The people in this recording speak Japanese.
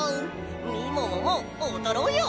みもももおどろうよ！